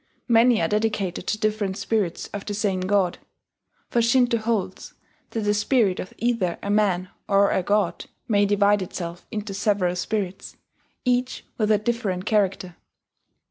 Many are dedicated to different spirits of the same god; for Shinto holds that the spirit of either a man or a god may divide itself into several spirits, each with a different character.